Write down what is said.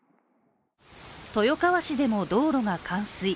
豊川市でも道路が冠水。